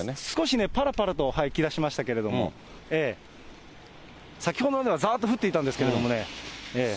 少しぱらぱらときだしましたけれども、先ほどまではざーっと降っていたんですけれどもね。